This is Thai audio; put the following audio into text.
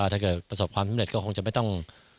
ถ้าเกิดประสบความสำเร็จก็คงจะไม่ต้อง